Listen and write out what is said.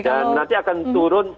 dan nanti akan turun